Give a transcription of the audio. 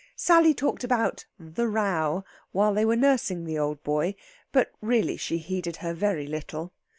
Sally talked about "the row" while they were nursing the old boy, but really she heeded her very little.